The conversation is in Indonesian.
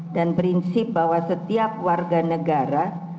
dan prinsip bahwa setiap warga negara